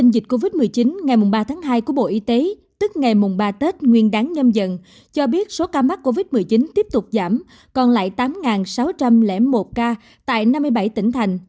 trong dịch covid một mươi chín ngày ba tháng hai của bộ y tế tức ngày ba tết nguyên đáng nhâm dần cho biết số ca mắc covid một mươi chín tiếp tục giảm còn lại tám sáu trăm linh một ca tại năm mươi bảy tỉnh thành